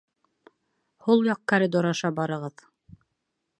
Һул яҡ коридор аша барығыҙ.